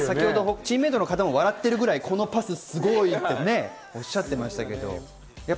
チームメートの人も笑っちゃうくらいこのパスすごいって言ってましたけれども。